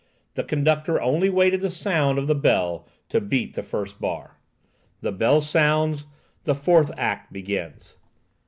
The conductor only waited the sound of the bell to beat the first bar. The bell sounds. The fourth act begins.